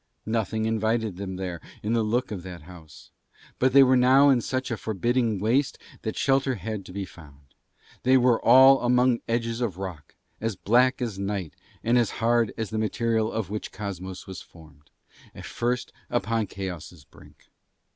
Nothing invited them there in the look of that house, but they were now in such a forbidding waste that shelter had to be found; they were all among edges of rock as black as the night and hard as the material of which Cosmos was formed, at first upon Chaos' brink.